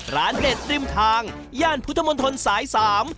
ร้านเด็ดริมทางย่านพุทธมนตรศาสตร์๓